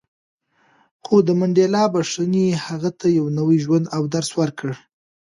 خو د منډېلا بښنې هغه ته یو نوی ژوند او درس ورکړ.